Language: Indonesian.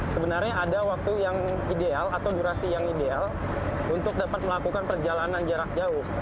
sebenarnya ada waktu yang ideal atau durasi yang ideal untuk dapat melakukan perjalanan jarak jauh